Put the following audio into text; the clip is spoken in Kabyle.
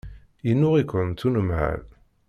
Yennuɣ-ikent unemhal.